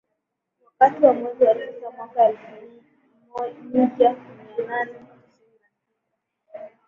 Wakati wa mwezi wa tisa mwaka elfu mija mia nane tisini na sita